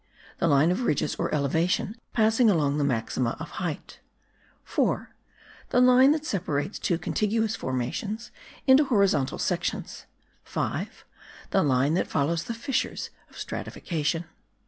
The line of ridges or elevation passing along the maxima of height. 4. The line that separates two contiguous formations into horizontal sections. 5. The line that follows the fissures of stratification.